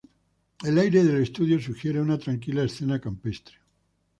El aire del estudio sugiere una tranquila escena campestre.